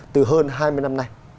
từ hơn hai mươi năm nay